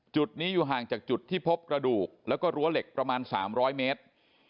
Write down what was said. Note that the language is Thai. จุดนี้อยู่ห่างจากจุดที่พบกระดูกแล้วก็รั้วเหล็กประมาณ๓๐๐เมตร